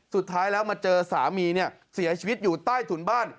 สุดท้ายแล้วมาเจอสามีเนี่ยเสียชีวิตอยู่ใต้ถุนบ้าน